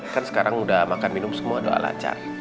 kan sekarang udah makan minum semua doa lancar